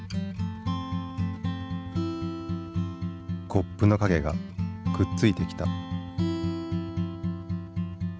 コップの影がくっついてきた。